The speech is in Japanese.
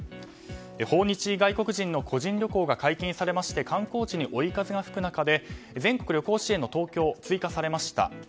訪日外国人の個人旅行が解禁されまして観光地に追い風が吹く中で全国旅行支援の東京追加されました。